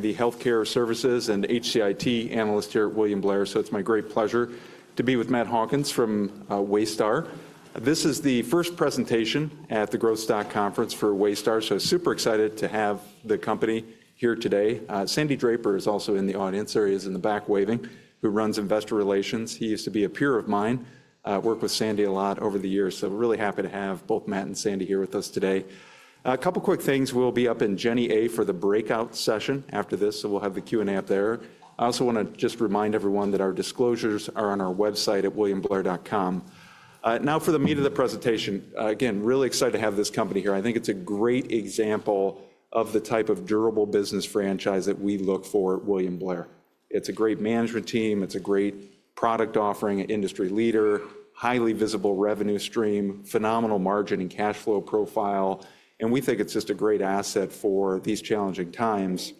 The healthcare services and HCIT analyst here, William Blair. It's my great pleasure to be with Matt Hawkins from Waystar. This is the first presentation at the Growth Stock Conference for Waystar. Super excited to have the company here today. Sandy Draper is also in the audience. There he is in the back waving, who runs investor relations. He used to be a peer of mine. Worked with Sandy a lot over the years. Really happy to have both Matt and Sandy here with us today. A couple quick things. We'll be up in Jenny A for the breakout session after this, so we'll have the Q&A up there. I also want to just remind everyone that our disclosures are on our website at williamblair.com. Now for the meat of the presentation. Again, really excited to have this company here. I think it's a great example of the type of durable business franchise that we look for at William Blair. It's a great management team. It's a great product offering, industry leader, highly visible revenue stream, phenomenal margin and cash flow profile. We think it's just a great asset for these challenging times.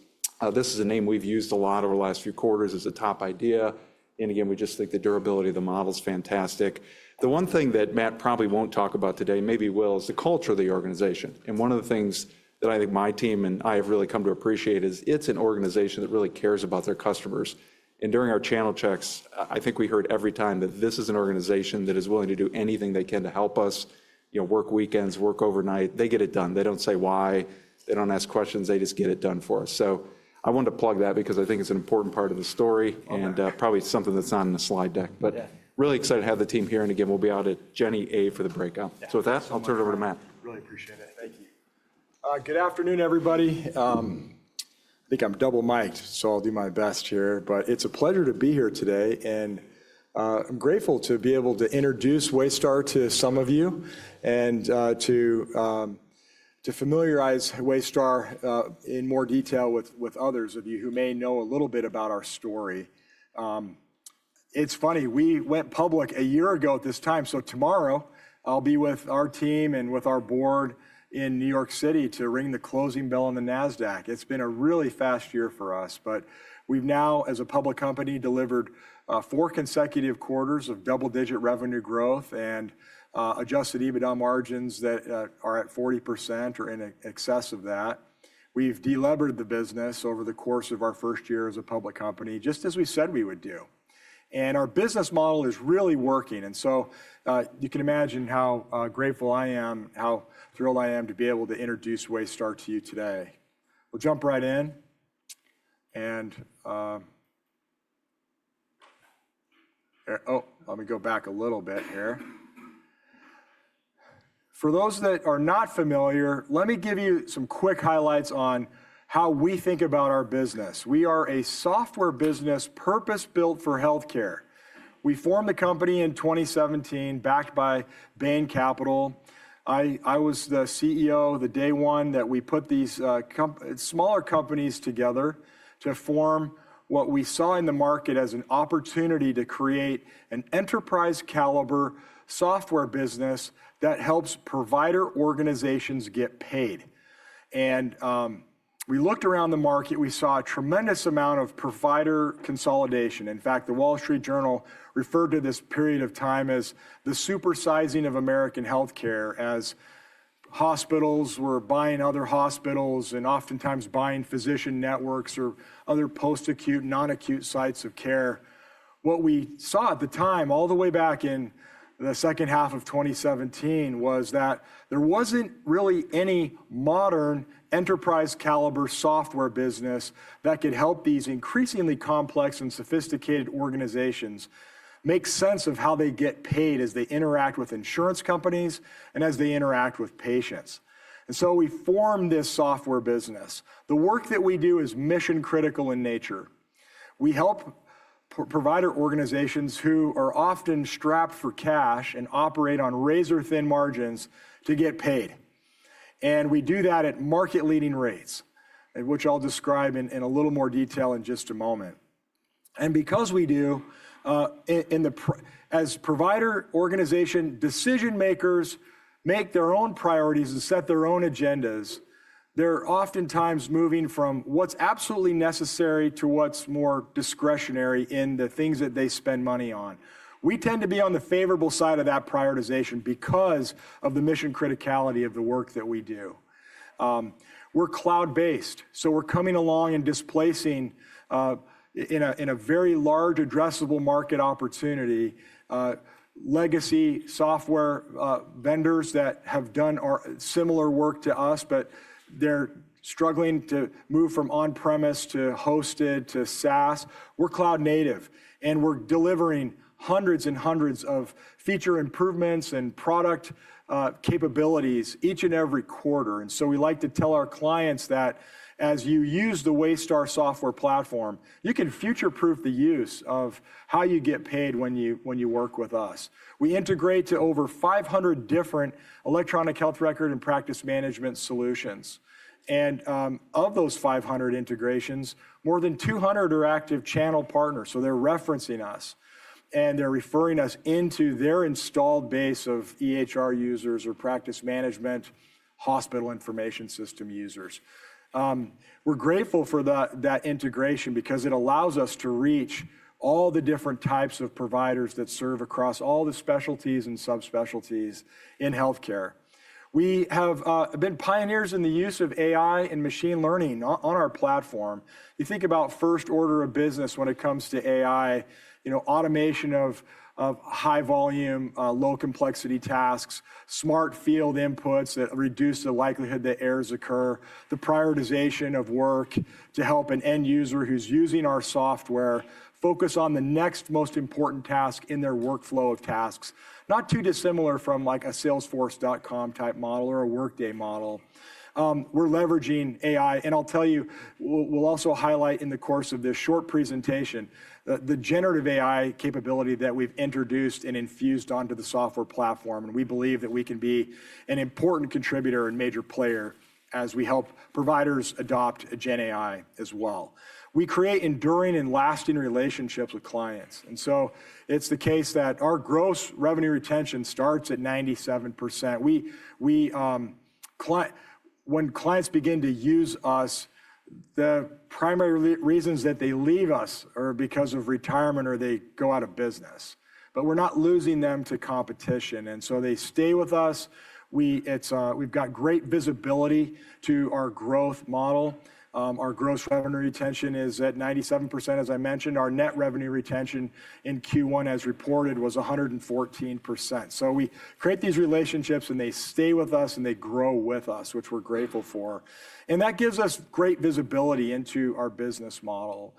This is a name we've used a lot over the last few quarters as a top idea. We just think the durability of the model is fantastic. The one thing that Matt probably won't talk about today, maybe will, is the culture of the organization. One of the things that I think my team and I have really come to appreciate is it's an organization that really cares about their customers. During our channel checks, I think we heard every time that this is an organization that is willing to do anything they can to help us, you know, work weekends, work overnight. They get it done. They do not say why. They do not ask questions. They just get it done for us. I wanted to plug that because I think it is an important part of the story and probably something that is not in the slide deck. Really excited to have the team here. Again, we will be out at Jenny A for the breakout. With that, I will turn it over to Matt. Really appreciate it. Thank you. Good afternoon, everybody. I think I'm double mic'ed, so I'll do my best here. But it's a pleasure to be here today. And I'm grateful to be able to introduce Waystar to some of you and to familiarize Waystar in more detail with others of you who may know a little bit about our story. It's funny, we went public a year ago at this time. So tomorrow I'll be with our team and with our board in New York City to ring the closing bell on the NASDAQ. It's been a really fast year for us, but we've now, as a public company, delivered four consecutive quarters of double-digit revenue growth and adjusted EBITDA margins that are at 40% or in excess of that. We've deliberated the business over the course of our first year as a public company, just as we said we would do. Our business model is really working. You can imagine how grateful I am, how thrilled I am to be able to introduce Waystar to you today. We'll jump right in. Oh, let me go back a little bit here. For those that are not familiar, let me give you some quick highlights on how we think about our business. We are a software business purpose-built for healthcare. We formed the company in 2017, backed by Bain Capital. I was the CEO the day one that we put these smaller companies together to form what we saw in the market as an opportunity to create an enterprise-caliber software business that helps provider organizations get paid. We looked around the market. We saw a tremendous amount of provider consolidation. In fact, the Wall Street Journal referred to this period of time as the supersizing of American healthcare as hospitals were buying other hospitals and oftentimes buying physician networks or other post-acute, non-acute sites of care. What we saw at the time, all the way back in the second half of 2017, was that there was not really any modern enterprise-caliber software business that could help these increasingly complex and sophisticated organizations make sense of how they get paid as they interact with insurance companies and as they interact with patients. We formed this software business. The work that we do is mission-critical in nature. We help provider organizations who are often strapped for cash and operate on razor-thin margins to get paid. We do that at market-leading rates, which I will describe in a little more detail in just a moment. Because we do, as provider organization decision-makers make their own priorities and set their own agendas, they're oftentimes moving from what's absolutely necessary to what's more discretionary in the things that they spend money on. We tend to be on the favorable side of that prioritization because of the mission criticality of the work that we do. We're cloud-based, so we're coming along and displacing in a very large addressable market opportunity. Legacy software vendors that have done similar work to us, but they're struggling to move from on-premise to hosted to SaaS. We're cloud-native, and we're delivering hundreds and hundreds of feature improvements and product capabilities each and every quarter. We like to tell our clients that as you use the Waystar software platform, you can future-proof the use of how you get paid when you work with us. We integrate to over 500 different electronic health record and practice management solutions. Of those 500 integrations, more than 200 are active channel partners. They are referencing us, and they are referring us into their installed base of EHR users or practice management hospital information system users. We are grateful for that integration because it allows us to reach all the different types of providers that serve across all the specialties and subspecialties in healthcare. We have been pioneers in the use of AI and machine learning on our platform. You think about first order of business when it comes to AI, you know, automation of high-volume, low-complexity tasks, smart field inputs that reduce the likelihood that errors occur, the prioritization of work to help an end user who is using our software focus on the next most important task in their workflow of tasks. Not too dissimilar from like a Salesforce.com type model or a Workday model. We're leveraging AI. I'll tell you, we'll also highlight in the course of this short presentation the generative AI capability that we've introduced and infused onto the software platform. We believe that we can be an important contributor and major player as we help providers adopt GenAI as well. We create enduring and lasting relationships with clients. It is the case that our gross revenue retention starts at 97%. When clients begin to use us, the primary reasons that they leave us are because of retirement or they go out of business. We're not losing them to competition. They stay with us. We've got great visibility to our growth model. Our gross revenue retention is at 97%. As I mentioned, our net revenue retention in Q1, as reported, was 114%. We create these relationships, and they stay with us, and they grow with us, which we're grateful for. That gives us great visibility into our business model.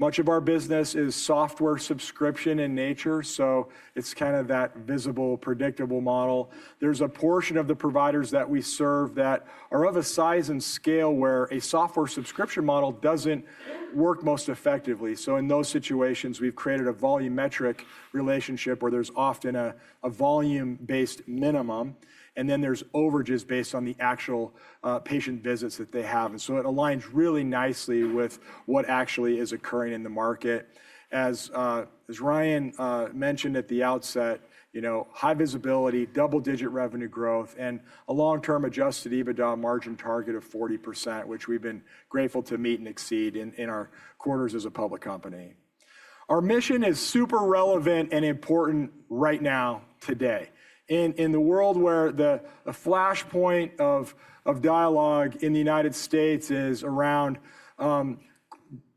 Much of our business is software subscription in nature, so it's kind of that visible, predictable model. There's a portion of the providers that we serve that are of a size and scale where a software subscription model doesn't work most effectively. In those situations, we've created a volumetric relationship where there's often a volume-based minimum, and then there's overages based on the actual patient visits that they have. It aligns really nicely with what actually is occurring in the market. As Ryan mentioned at the outset, you know, high visibility, double-digit revenue growth, and a long-term adjusted EBITDA margin target of 40%, which we've been grateful to meet and exceed in our quarters as a public company. Our mission is super relevant and important right now, today. In the world where the flashpoint of dialogue in the U.S. is around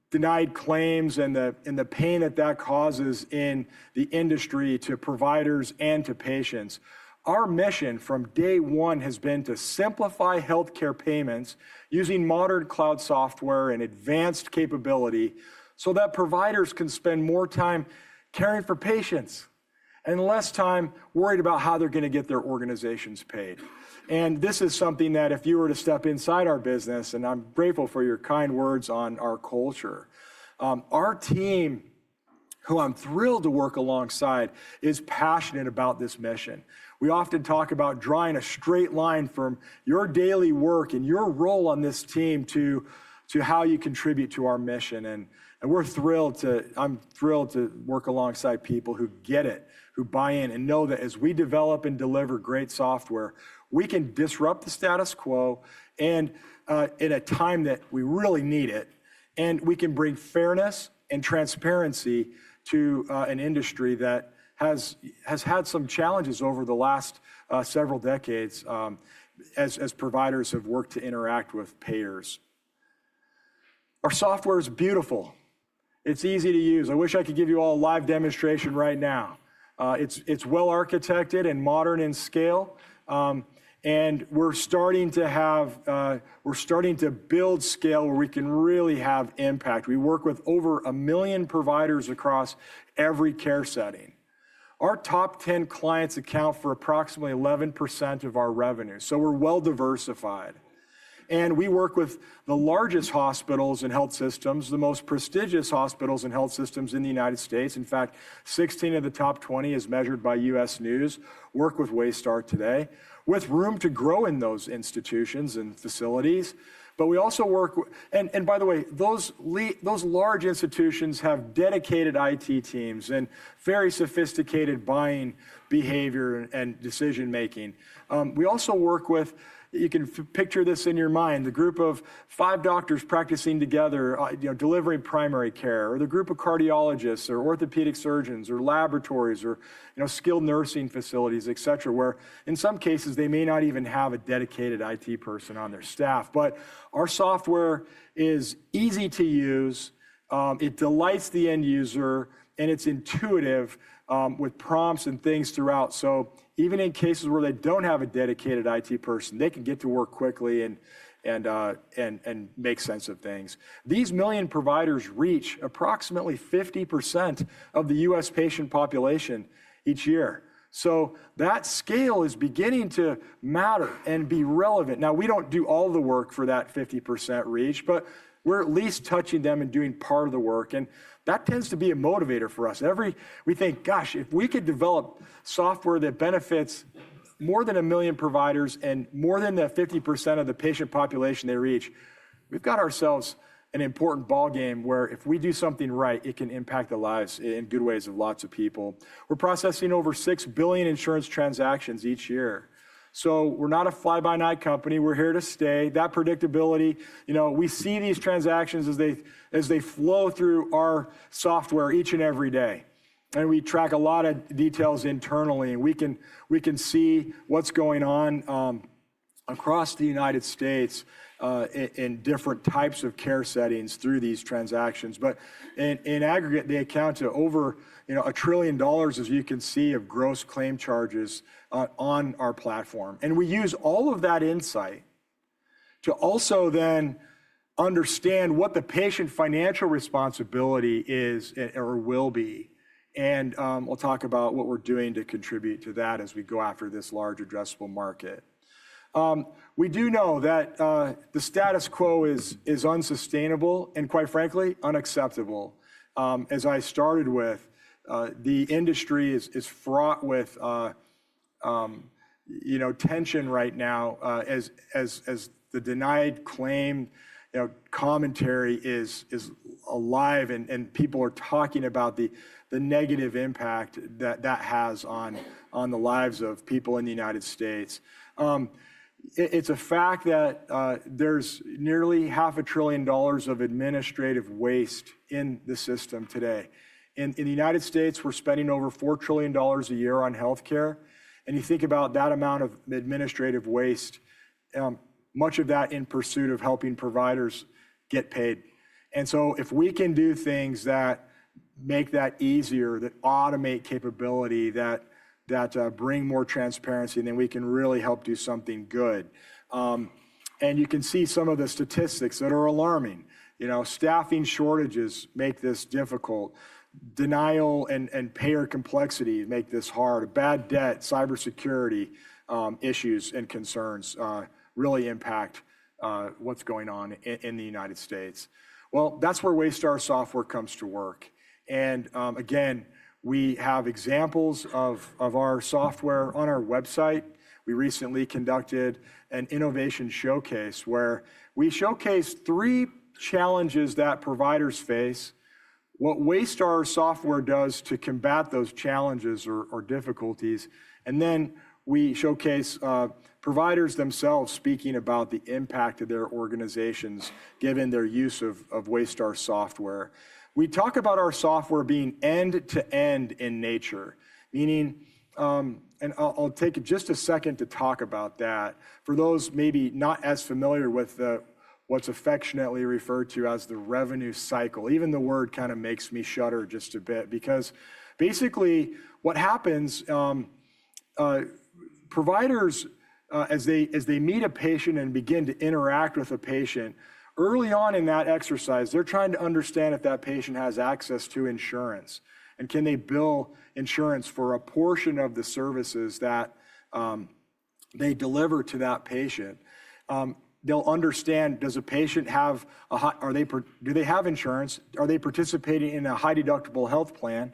denied claims and the pain that that causes in the industry to providers and to patients, our mission from day one has been to simplify healthcare payments using modern cloud software and advanced capability so that providers can spend more time caring for patients and less time worried about how they're going to get their organizations paid. This is something that if you were to step inside our business, and I'm grateful for your kind words on our culture, our team, who I'm thrilled to work alongside, is passionate about this mission. We often talk about drawing a straight line from your daily work and your role on this team to how you contribute to our mission. We're thrilled to work alongside people who get it, who buy in, and know that as we develop and deliver great software, we can disrupt the status quo in a time that we really need it, and we can bring fairness and transparency to an industry that has had some challenges over the last several decades as providers have worked to interact with payers. Our software is beautiful. It's easy to use. I wish I could give you all a live demonstration right now. It's well-architected and modern in scale. We're starting to build scale where we can really have impact. We work with over a million providers across every care setting. Our top 10 clients account for approximately 11% of our revenue. We're well-diversified. We work with the largest hospitals and health systems, the most prestigious hospitals and health systems in the United States. In fact, 16 of the top 20, as measured by U.S. News, work with Waystar today, with room to grow in those institutions and facilities. We also work, and by the way, those large institutions have dedicated IT teams and very sophisticated buying behavior and decision-making. We also work with, you can picture this in your mind, the group of five doctors practicing together, you know, delivering primary care, or the group of cardiologists or orthopedic surgeons or laboratories or, you know, skilled nursing facilities, et cetera, where in some cases, they may not even have a dedicated IT person on their staff. Our software is easy to use. It delights the end user, and it is intuitive with prompts and things throughout. Even in cases where they do not have a dedicated IT person, they can get to work quickly and make sense of things. These million providers reach approximately 50% of the U.S. patient population each year. That scale is beginning to matter and be relevant. We do not do all the work for that 50% reach, but we are at least touching them and doing part of the work. That tends to be a motivator for us. Every time we think, gosh, if we could develop software that benefits more than a million providers and more than that 50% of the patient population they reach, we have got ourselves an important ball game where if we do something right, it can impact the lives in good ways of lots of people. We are processing over 6 billion insurance transactions each year. We are not a fly-by-night company. We are here to stay. That predictability, you know, we see these transactions as they flow through our software each and every day. We track a lot of details internally. We can see what's going on across the United States in different types of care settings through these transactions. In aggregate, they account to over, you know, a trillion dollars, as you can see, of gross claim charges on our platform. We use all of that insight to also then understand what the patient financial responsibility is or will be. We'll talk about what we're doing to contribute to that as we go after this large addressable market. We do know that the status quo is unsustainable and, quite frankly, unacceptable. As I started with, the industry is fraught with, you know, tension right now as the denied claim commentary is alive and people are talking about the negative impact that that has on the lives of people in the United States. It's a fact that there's nearly half a trillion dollars of administrative waste in the system today. In the United States, we're spending over $4 trillion a year on healthcare. You think about that amount of administrative waste, much of that in pursuit of helping providers get paid. If we can do things that make that easier, that automate capability, that bring more transparency, then we can really help do something good. You can see some of the statistics that are alarming. You know, staffing shortages make this difficult. Denial and payer complexity make this hard. Bad debt, cybersecurity issues and concerns really impact what's going on in the United States. That is where Waystar Software comes to work. Again, we have examples of our software on our website. We recently conducted an innovation showcase where we showcased three challenges that providers face, what Waystar Software does to combat those challenges or difficulties. We showcase providers themselves speaking about the impact on their organizations given their use of Waystar Software. We talk about our software being end-to-end in nature, meaning and I'll take just a second to talk about that. For those maybe not as familiar with what's affectionately referred to as the revenue cycle, even the word kind of makes me shudder just a bit because basically what happens, providers, as they meet a patient and begin to interact with a patient, early on in that exercise, they're trying to understand if that patient has access to insurance and can they bill insurance for a portion of the services that they deliver to that patient. They'll understand, does a patient have a, do they have insurance? Are they participating in a high-deductible health plan?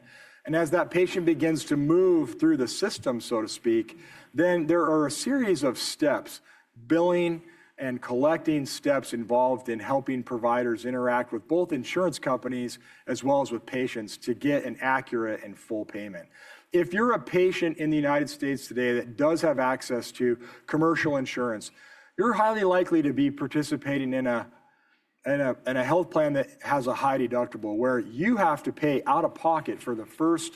As that patient begins to move through the system, so to speak, there are a series of steps, billing and collecting steps involved in helping providers interact with both insurance companies as well as with patients to get an accurate and full payment. If you're a patient in the United States today that does have access to commercial insurance, you're highly likely to be participating in a health plan that has a high deductible where you have to pay out of pocket for the first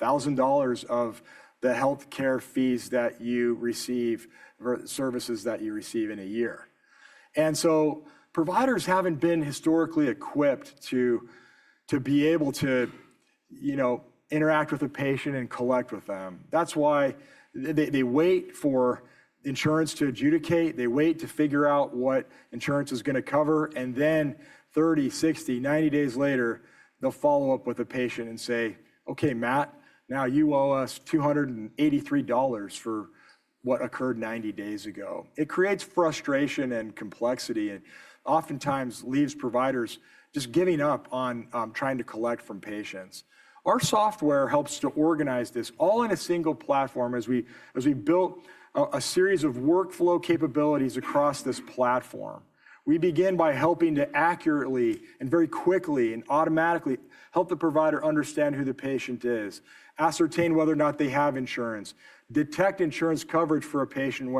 $1,000 of the healthcare fees that you receive for the services that you receive in a year. Providers haven't been historically equipped to be able to, you know, interact with a patient and collect with them. That's why they wait for insurance to adjudicate. They wait to figure out what insurance is going to cover. Then 30, 60, 90 days later, they'll follow up with a patient and say, "Okay, Matt, now you owe us $283 for what occurred 90 days ago." It creates frustration and complexity and oftentimes leaves providers just giving up on trying to collect from patients. Our software helps to organize this all in a single platform as we built a series of workflow capabilities across this platform. We begin by helping to accurately and very quickly and automatically help the provider understand who the patient is, ascertain whether or not they have insurance, detect insurance coverage for a patient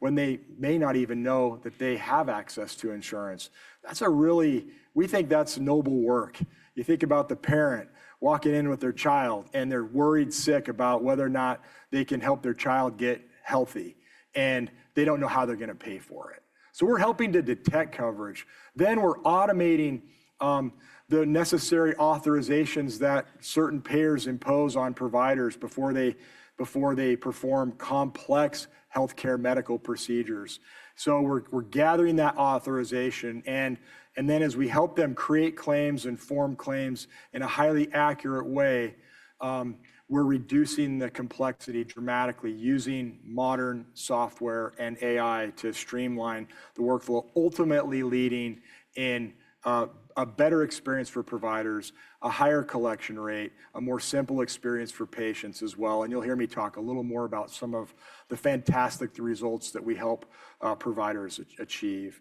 when they may not even know that they have access to insurance. That's a really, we think that's noble work. You think about the parent walking in with their child and they're worried sick about whether or not they can help their child get healthy and they don't know how they're going to pay for it. We're helping to detect coverage. We're automating the necessary authorizations that certain payers impose on providers before they perform complex healthcare medical procedures. We're gathering that authorization. As we help them create claims and form claims in a highly accurate way, we are reducing the complexity dramatically using modern software and AI to streamline the workflow, ultimately leading to a better experience for providers, a higher collection rate, a more simple experience for patients as well. You will hear me talk a little more about some of the fantastic results that we help providers achieve.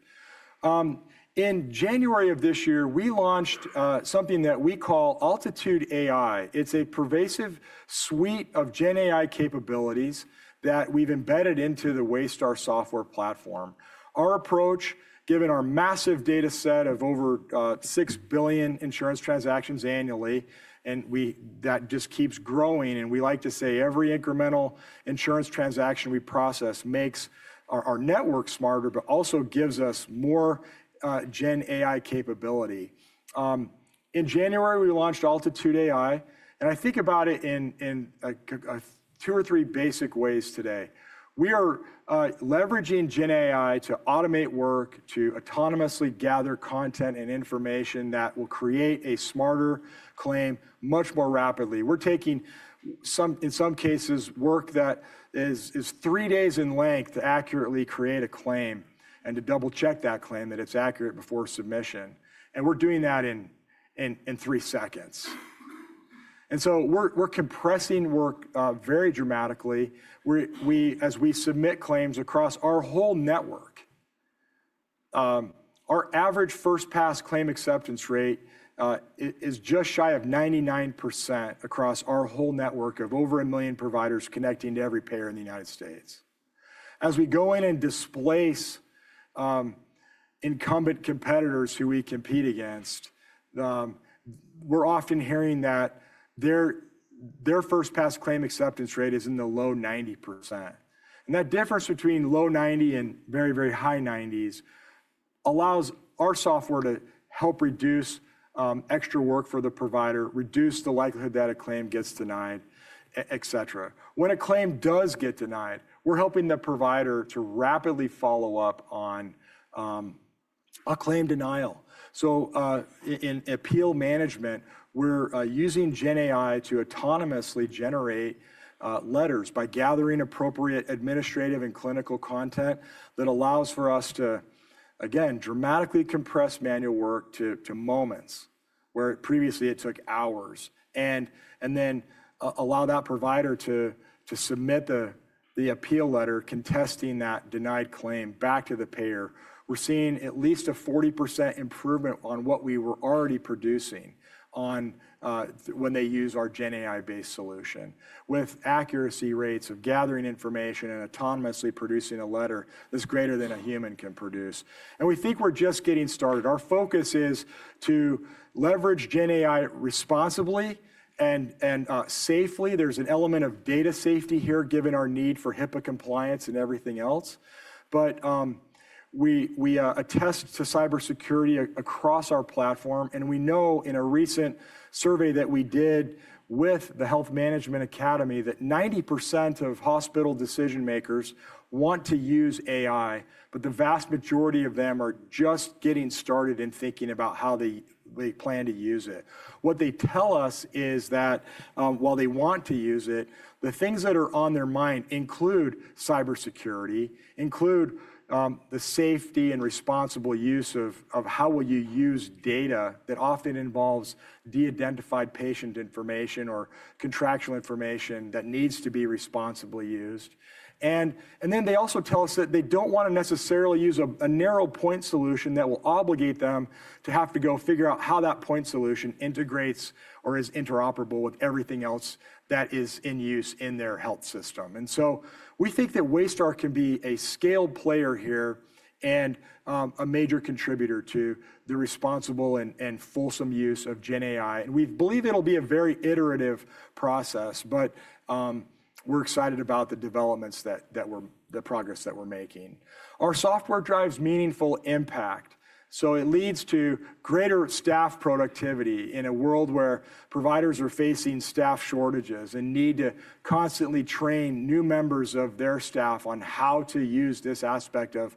In January of this year, we launched something that we call Altitude AI. It is a pervasive suite of GenAI capabilities that we have embedded into the Waystar Software platform. Our approach, given our massive data set of over 6 billion insurance transactions annually, and that just keeps growing. We like to say every incremental insurance transaction we process makes our network smarter, but also gives us more GenAI capability. In January, we launched Altitude AI. I think about it in two or three basic ways today. We are leveraging GenAI to automate work, to autonomously gather content and information that will create a smarter claim much more rapidly. We're taking some, in some cases, work that is three days in length to accurately create a claim and to double-check that claim that it's accurate before submission. We're doing that in three seconds. We are compressing work very dramatically as we submit claims across our whole network. Our average first-pass claim acceptance rate is just shy of 99% across our whole network of over a million providers connecting to every payer in the U.S. As we go in and displace incumbent competitors who we compete against, we're often hearing that their first-pass claim acceptance rate is in the low 90%. That difference between low 90 and very, very high 90s allows our software to help reduce extra work for the provider, reduce the likelihood that a claim gets denied, et cetera. When a claim does get denied, we're helping the provider to rapidly follow up on a claim denial. In appeal management, we're using GenAI to autonomously generate letters by gathering appropriate administrative and clinical content that allows for us to, again, dramatically compress manual work to moments where previously it took hours and then allow that provider to submit the appeal letter contesting that denied claim back to the payer. We're seeing at least a 40% improvement on what we were already producing when they use our GenAI-based solution with accuracy rates of gathering information and autonomously producing a letter that's greater than a human can produce. We think we're just getting started. Our focus is to leverage GenAI responsibly and safely. There's an element of data safety here given our need for HIPAA compliance and everything else. We attest to cybersecurity across our platform. We know in a recent survey that we did with the Health Management Academy that 90% of hospital decision-makers want to use AI, but the vast majority of them are just getting started in thinking about how they plan to use it. What they tell us is that while they want to use it, the things that are on their mind include cybersecurity, include the safety and responsible use of how will you use data that often involves de-identified patient information or contractual information that needs to be responsibly used. They also tell us that they don't want to necessarily use a narrow point solution that will obligate them to have to go figure out how that point solution integrates or is interoperable with everything else that is in use in their health system. We think that Waystar can be a scaled player here and a major contributor to the responsible and fulsome use of GenAI. We believe it'll be a very iterative process, but we're excited about the developments, the progress that we're making. Our software drives meaningful impact. It leads to greater staff productivity in a world where providers are facing staff shortages and need to constantly train new members of their staff on how to use this aspect of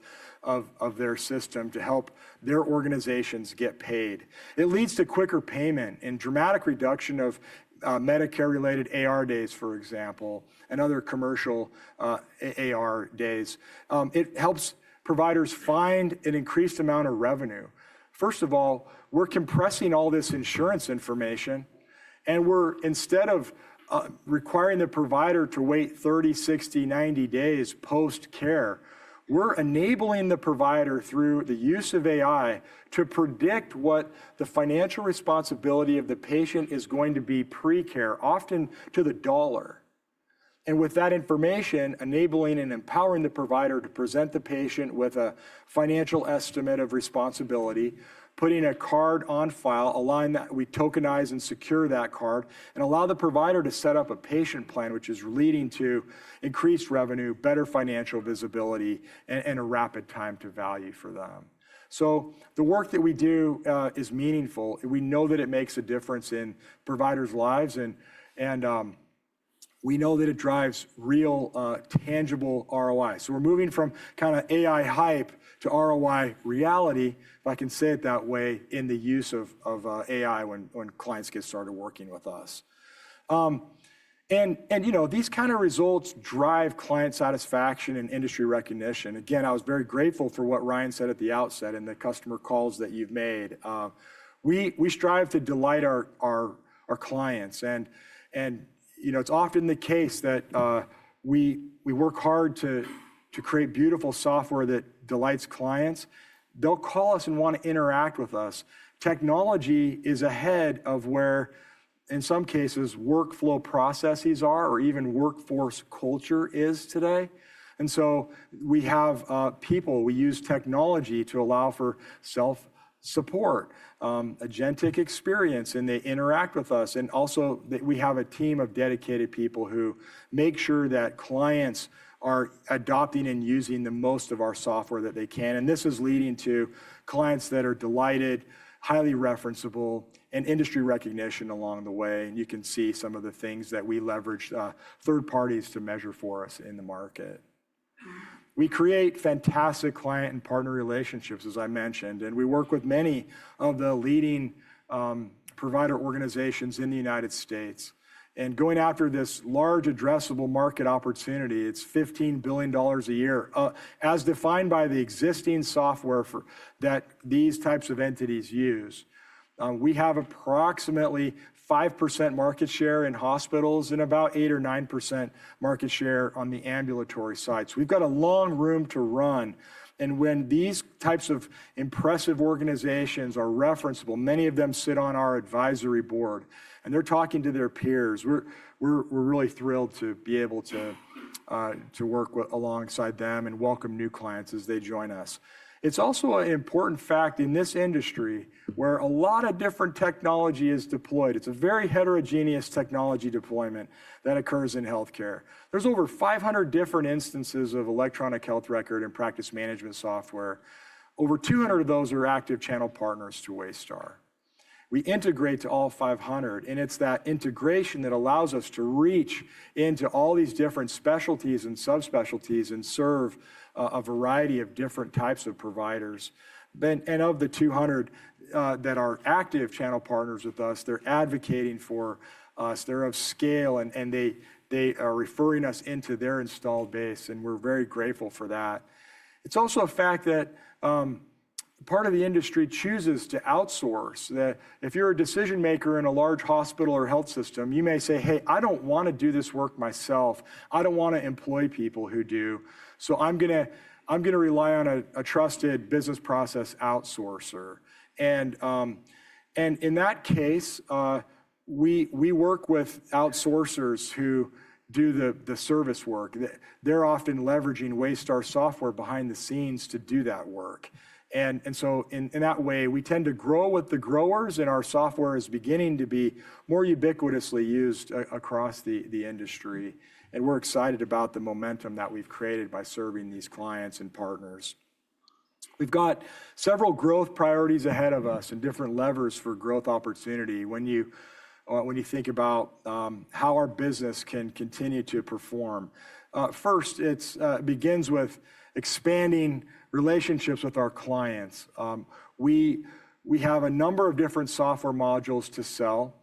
their system to help their organizations get paid. It leads to quicker payment and dramatic reduction of Medicare-related AR days, for example, and other commercial AR days. It helps providers find an increased amount of revenue. First of all, we're compressing all this insurance information. Instead of requiring the provider to wait 30, 60, 90 days post-care, we're enabling the provider through the use of AI to predict what the financial responsibility of the patient is going to be pre-care, often to the dollar. With that information, enabling and empowering the provider to present the patient with a financial estimate of responsibility, putting a card on file, a line that we tokenize and secure that card, and allow the provider to set up a patient plan, which is leading to increased revenue, better financial visibility, and a rapid time to value for them. The work that we do is meaningful. We know that it makes a difference in providers' lives. We know that it drives real tangible ROI. We're moving from kind of AI hype to ROI reality, if I can say it that way, in the use of AI when clients get started working with us. You know, these kind of results drive client satisfaction and industry recognition. Again, I was very grateful for what Ryan said at the outset and the customer calls that you've made. We strive to delight our clients. You know, it's often the case that we work hard to create beautiful software that delights clients. They'll call us and want to interact with us. Technology is ahead of where in some cases workflow processes are or even workforce culture is today. We have people, we use technology to allow for self-support, agentic experience, and they interact with us. We have a team of dedicated people who make sure that clients are adopting and using the most of our software that they can. This is leading to clients that are delighted, highly referenceable, and industry recognition along the way. You can see some of the things that we leverage third parties to measure for us in the market. We create fantastic client and partner relationships, as I mentioned, and we work with many of the leading provider organizations in the U.S. Going after this large addressable market opportunity, it's $15 billion a year. As defined by the existing software that these types of entities use, we have approximately 5% market share in hospitals and about 8-9% market share on the ambulatory side. We have a long room to run. When these types of impressive organizations are referenceable, many of them sit on our advisory board and they're talking to their peers. We're really thrilled to be able to work alongside them and welcome new clients as they join us. It's also an important fact in this industry where a lot of different technology is deployed. It's a very heterogeneous technology deployment that occurs in healthcare. There are over 500 different instances of electronic health record and practice management software. Over 200 of those are active channel partners to Waystar. We integrate to all 500. It's that integration that allows us to reach into all these different specialties and subspecialties and serve a variety of different types of providers. Of the 200 that are active channel partners with us, they're advocating for us. They're of scale and they are referring us into their installed base. We're very grateful for that. It's also a fact that part of the industry chooses to outsource. If you're a decision maker in a large hospital or health system, you may say, "Hey, I don't want to do this work myself. I don't want to employ people who do. So I'm going to rely on a trusted business process outsourcer." In that case, we work with outsourcers who do the service work. They're often leveraging Waystar software behind the scenes to do that work. In that way, we tend to grow with the growers and our software is beginning to be more ubiquitously used across the industry. We're excited about the momentum that we've created by serving these clients and partners. We've got several growth priorities ahead of us and different levers for growth opportunity. When you think about how our business can continue to perform, first, it begins with expanding relationships with our clients. We have a number of different software modules to sell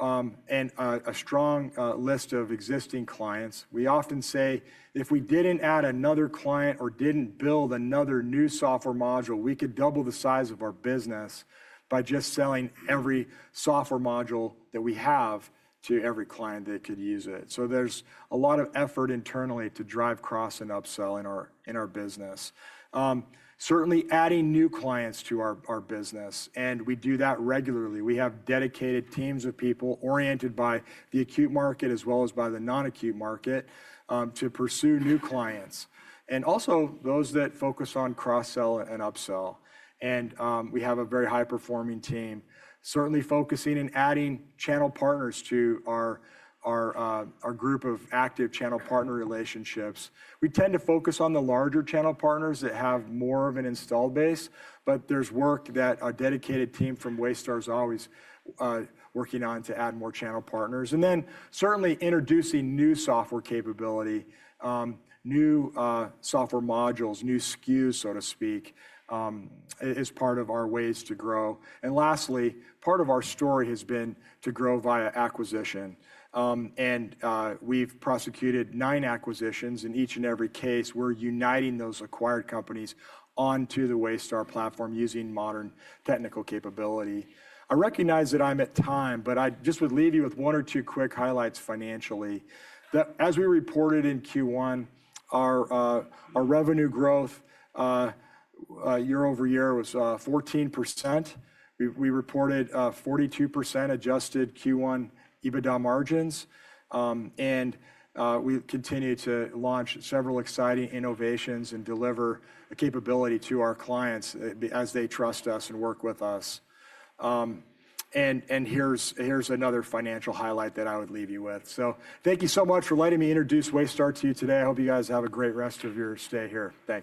and a strong list of existing clients. We often say if we did not add another client or did not build another new software module, we could double the size of our business by just selling every software module that we have to every client that could use it. There is a lot of effort internally to drive cross and upsell in our business, certainly adding new clients to our business. We do that regularly. We have dedicated teams of people oriented by the acute market as well as by the non-acute market to pursue new clients and also those that focus on cross-sell and upsell. We have a very high-performing team, certainly focusing and adding channel partners to our group of active channel partner relationships. We tend to focus on the larger channel partners that have more of an install base, but there's work that a dedicated team from Waystar is always working on to add more channel partners. Certainly introducing new software capability, new software modules, new SKUs, so to speak, is part of our ways to grow. Lastly, part of our story has been to grow via acquisition. We've prosecuted nine acquisitions. In each and every case, we're uniting those acquired companies onto the Waystar platform using modern technical capability. I recognize that I'm at time, but I just would leave you with one or two quick highlights financially. As we reported in Q1, our revenue growth year over year was 14%. We reported 42% adjusted Q1 EBITDA margins. We continue to launch several exciting innovations and deliver capability to our clients as they trust us and work with us. Here is another financial highlight that I would leave you with. Thank you so much for letting me introduce Waystar to you today. I hope you guys have a great rest of your stay here. Thanks.